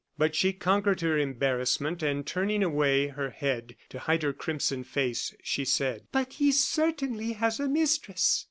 But she conquered her embarrassment, and turning away her head to hide her crimson face, she said: "But he certainly has a mistress!"